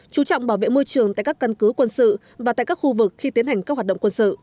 chú trọng bảo vệ môi trường tại các căn cứ quân sự và tại các khu vực khi tiến hành các hoạt động quân sự